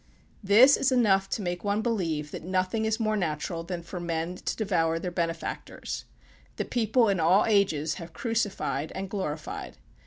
This is enough to make one believe that nothing is more natural than for men to devour their benefactors. The people in all ages have crucified and glorified.